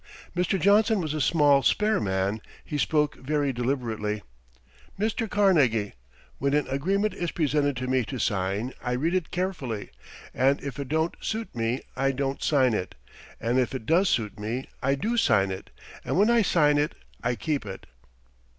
Mr. Johnson was a small, spare man; he spoke very deliberately: "Mr. Carnegie, when an agreement is presented to me to sign, I read it carefully, and if it don't suit me, I don't sign it, and if it does suit me, I do sign it, and when I sign it I keep it."